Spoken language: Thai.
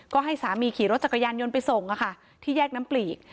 ก็ให้สามีขี่รถจักรยานยนต์ไปส่งที่แยกน้ำปลีก